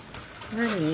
何？